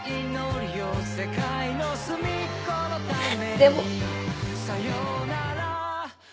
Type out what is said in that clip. でも。